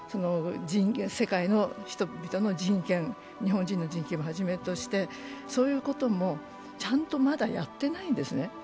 世界の人々の人権、日本人の人権をはじめとしてそういうことも、ちゃんとまだやってないんですね。